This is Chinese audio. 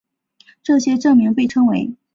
这些证明被称为。